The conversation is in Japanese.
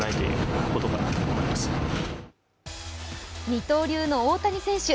二刀流の大谷選手。